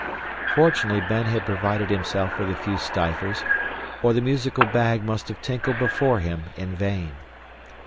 Fortunately Ben had provided himself with a few stivers, or the musical bag must have tinkled before him in vain.